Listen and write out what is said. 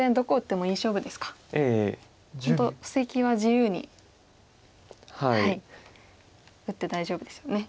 本当布石は自由に打って大丈夫ですよね。